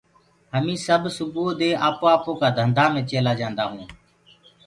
همي سب سُبوُئو دي آپو آپو ڪآ ڌندآ مي چيلآ جانٚدآ هونٚ